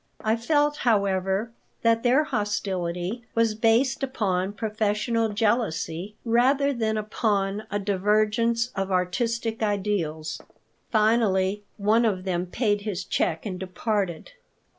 I felt, however, that their hostility was based upon professional jealousy rather than upon a divergence of artistic ideals Finally one of them paid his check and departed.